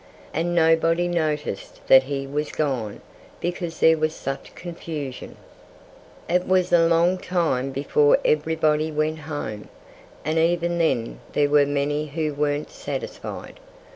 And nobody noticed that he was gone, because there was such confusion. It was a long time before everybody went home. And even then there were many who weren't satisfied.